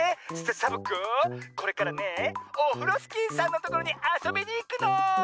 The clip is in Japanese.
サボ子これからねえオフロスキーさんのところにあそびにいくの！